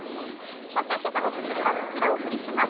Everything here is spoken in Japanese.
今朝の『スッキリ』はこちらをお送りします。